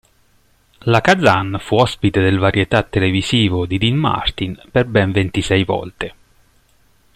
La Kazan fu ospite del varietà televisivo di Dean Martin per ben ventisei volte.